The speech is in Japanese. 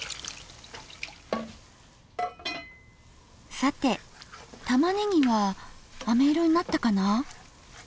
さてたまねぎはあめ色になったかな？